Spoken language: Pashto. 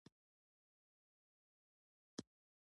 د خدای ج په فضل ترې خلک ژغورل کېږي.